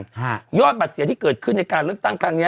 ฮะยอดบัตรเสียที่เกิดขึ้นในการเลือกตั้งครั้งเนี้ย